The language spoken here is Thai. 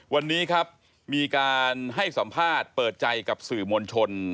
วันนี้ครับมีการให้สัมภาษณ์เปิดใจกับสื่อมวลชน